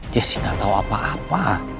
jesse gak tau apa apa